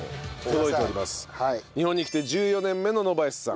日本に来て１４年目のノヴァエスさん。